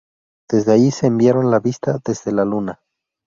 Desde allí enviaron la vista desde la Luna.